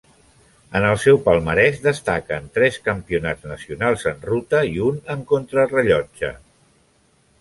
En el seu palmarès destaquen tres campionats nacionals en ruta i un en contrarellotge.